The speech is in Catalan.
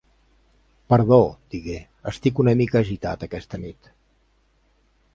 "Perdó", digué, "estic una mica agitat aquesta nit".